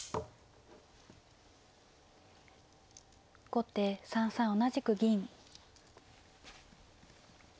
後手３三同じく銀。